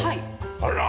あら。